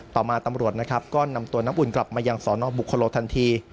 ต่อมาตำรวจก็นำตัวน้ำอุ่นกลับมาอย่างสอนอกบุคลโลทันที